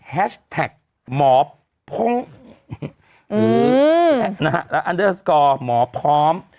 แฮชแท็กหมอพร้อมอืมนะฮะและอันเดอร์สกอร์หมอพร้อม